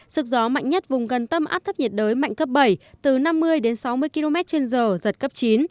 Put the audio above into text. sức gió mạnh nhất vùng gần tâm áp thấp nhiệt đới mạnh cấp bảy từ năm mươi đến sáu mươi km trên giờ giật cấp chín